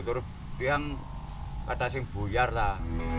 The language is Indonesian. terus yang kata kata yang buyar lah